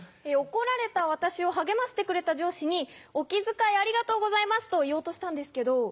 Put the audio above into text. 怒られた私を励ましてくれた上司に「お気遣いありがとうございます」と言おうとしたんですけど。